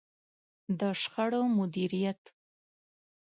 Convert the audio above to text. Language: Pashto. د شخړو مديريت.